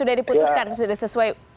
sudah diputuskan sudah sesuai